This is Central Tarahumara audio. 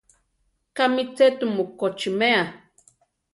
Kámi tze tumu kochímea?